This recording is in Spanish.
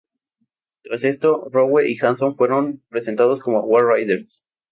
Tras esto, Rowe y Hanson fueron presentados como "War Raiders".